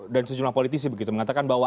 dan sejumlah politisi begitu mengatakan bahwa